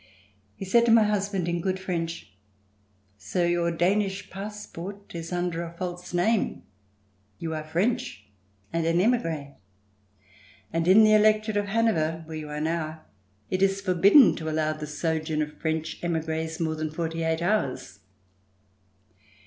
He said to my husband in good French: ''Sir, your Danish passport is under a false name. You are French and an emigre, and in the electorate of Hanover where you are now, it is forbidden to allow the sojourn of French emigres more than forty eight hours."